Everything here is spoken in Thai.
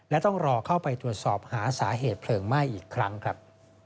และต้องรอเข้าไปตรวจสอบหาสาเหตุเพลิงไหม้อีกครั้งครับ